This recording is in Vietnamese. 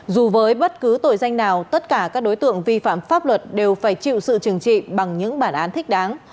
dù với bất cứ tội danh nào tất cả các đối tượng vi phạm pháp luật đều phải chịu sự trừng trị bằng những bản án thích đáng